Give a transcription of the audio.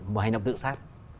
một hành động tự sát